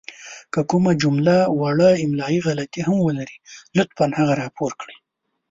که کومه جمله وړه املائې غلطې هم ولري لطفاً هغه راپور کړئ!